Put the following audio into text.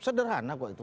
sederhana kok itu